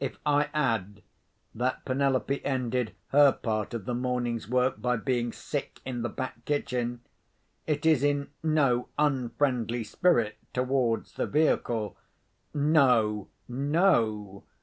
If I add that Penelope ended her part of the morning's work by being sick in the back kitchen, it is in no unfriendly spirit towards the vehicle. No! no!